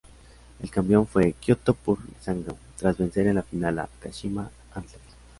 El campeón fue Kyoto Purple Sanga, tras vencer en la final a Kashima Antlers.